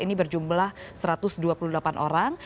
ini berjumlah satu ratus dua puluh delapan orang